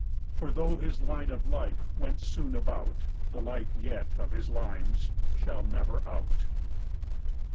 For though his line of life went soon about, The life yet of his lines shall never out.